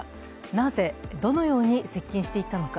なぜ、どのように接近していったのか。